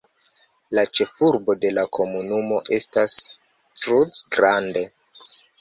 La ĉefurbo de la komunumo estas Cruz Grande.